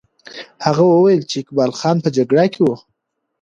هغه وویل چې اقبال خان په جګړه کې وو.